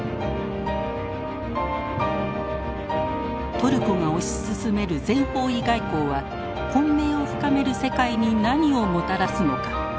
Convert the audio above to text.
トルコが推し進める全方位外交は混迷を深める世界に何をもたらすのか。